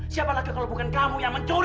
siapa lagi kalau bukan kamu yang mencuri